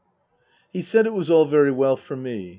He said it was all very well for me.